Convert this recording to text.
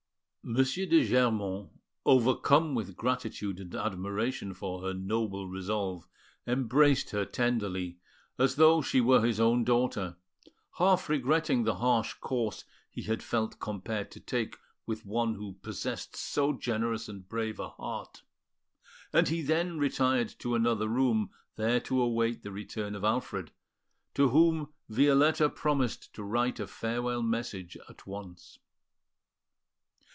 M. de Germont, overcome with gratitude and admiration for her noble resolve, embraced her tenderly, as though she were his own daughter, half regretting the harsh course he had felt compelled to take with one who possessed so generous and brave a heart; and he then retired to another room, there to await the return of Alfred, to whom Violetta promised to write a farewell message at once.